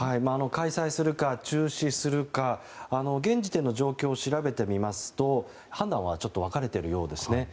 開催するか中止するか現時点の状況を調べてみますと判断は分かれているようですね。